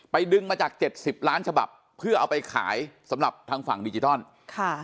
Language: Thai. ไปดึงมาจาก๗๐ล้านฉบับเพื่อเอาไปขายสำหรับทางฝั่งดิจิทัล